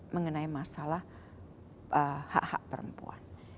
mengenai masalah hak hak perempuan